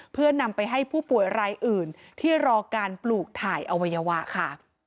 เพื่อนำไปให้ผู้ป่วยรายอื่นที่รอการปลูกถ่ายอวัยวะค่ะ